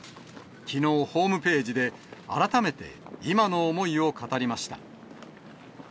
きのう、ホームページで、改めて今の思いを語りました。